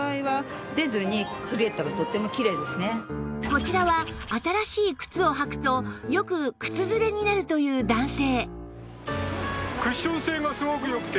こちらは新しい靴を履くとよく靴ずれになるという男性